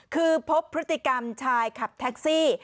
คือพบพฤติกรรมชายขับแท็กซี่